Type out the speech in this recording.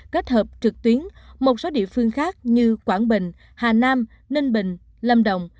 kết hợp trực tuyến một số địa phương khác như quảng bình hà nam ninh bình lâm đồng